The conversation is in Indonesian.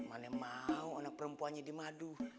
mana mau anak perempuannya di madu